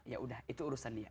yaudah itu urusan dia